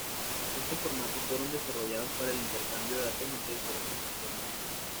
Estos formatos fueron desarrollados para el intercambio de datos entre diferentes sistemas.